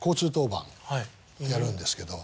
やるんですけど。